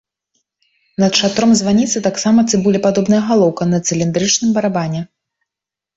Над шатром званіцы таксама цыбулепадобная галоўка на цыліндрычным барабане.